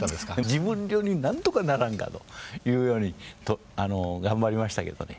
自分流に何とかならんかというように頑張りましたけどね